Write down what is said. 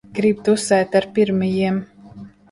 Grib tusēt ar pirmajiem.